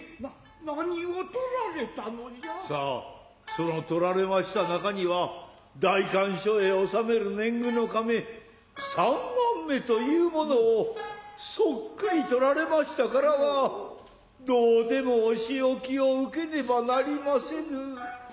その取られました中には代官所へ納める年貢の金三貫目というものをそっくり取られましたからはどうでもお仕置を受けねばなりませぬ。